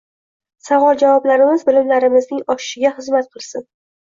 Savol-javoblarimiz bilimlarimizning oshishiga xizmat qilsin